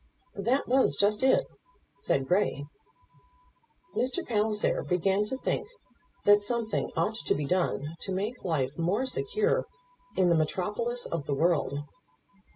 "That was just it," said Grey. Mr. Palliser began to think that something ought to be done to make life more secure in the metropolis of the world.